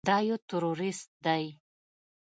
دا يو ټروريست دى.